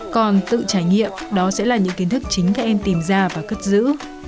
còn tự trải nghiệm đó sẽ là những kiến thức chính các em tìm ra và cất giữ